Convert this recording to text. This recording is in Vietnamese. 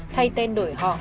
thay tên đổi họ